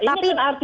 ini artinya apa